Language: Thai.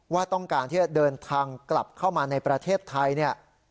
ว่าต้องการที่จะเดินทางกลับเข้ามาในประเทศไทยเนี่ย